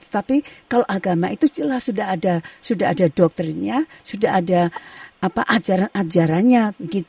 tetapi kalau agama itu jelas sudah ada doktrinnya sudah ada ajaran ajarannya